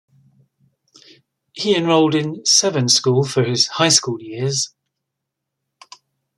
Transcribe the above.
He enrolled in Severn School for his high school years.